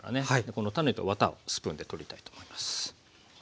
この種とワタをスプーンで取りたいと思います。